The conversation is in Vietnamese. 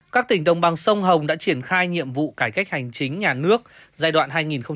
các tỉnh đồng bằng sông hồng đã triển khai nhiệm vụ cải cách hành chính nhà nước giai đoạn